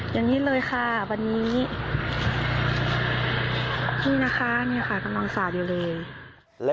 อย่างนี้เลยค่ะวันนี้นี่นะคะเรียกว่ากำลังจะเบยร์เลย